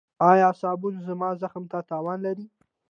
ایا صابون زما زخم ته تاوان لري؟